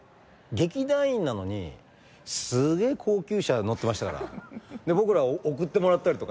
劇団員なのにすげえ高級車乗ってましたから。